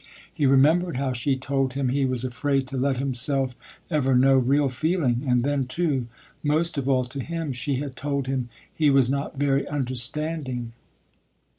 He remembered how she told him he was afraid to let himself ever know real feeling, and then too, most of all to him, she had told him he was not very understanding.